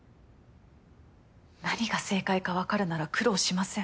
何が正解かわかるなら苦労しません。